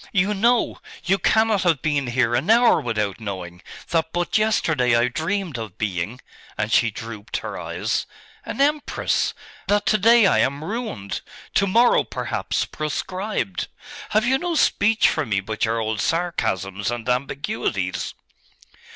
You know you cannot have been here an hour without knowing that but yesterday I dreamed of being' and she drooped her eyes 'an empress; that to day I am ruined; to morrow, perhaps, proscribed. Have you no speech for me but your old sarcasms and ambiguities?